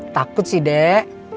takut sih dek